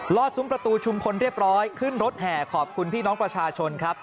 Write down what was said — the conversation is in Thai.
อดซุ้มประตูชุมพลเรียบร้อยขึ้นรถแห่ขอบคุณพี่น้องประชาชนครับ